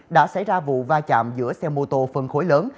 đã xảy ra vụ va chạm giữa xe mô tô phân khối lớn